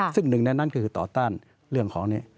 ซึ่งหนึ่งในนั้นก็คือต่อต้านเรื่องของนี้